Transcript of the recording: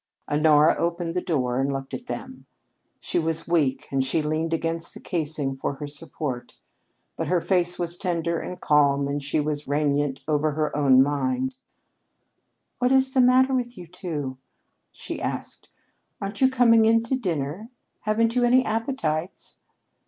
Honora opened the door and looked at them. She was weak and she leaned against the casing for her support, but her face was tender and calm, and she was regnant over her own mind. "What is the matter with you two?" she asked. "Aren't you coming in to dinner? Haven't you any appetites?"